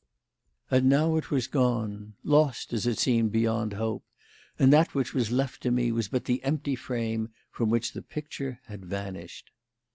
And now it was gone lost, as it seemed, beyond hope; and that which was left to me was but the empty frame from which the picture had vanished.